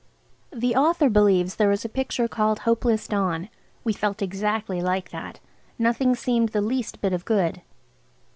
The author believes there is a picture called "Hopeless Dawn." We felt exactly like that. Nothing seemed the least bit of good.